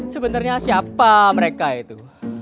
sebenarnya siapa mereka itu